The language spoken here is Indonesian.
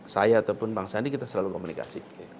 saya ataupun bang sandi kita selalu komunikasi